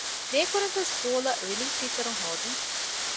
ނޭކުރެންދޫ ސްކޫލަށް ރިލީފް ޓީޗަރުން ހޯދުން